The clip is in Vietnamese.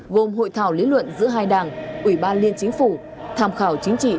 gồm hội thảo lý luận giữa hai đảng ủy ban liên chính phủ tham khảo chính trị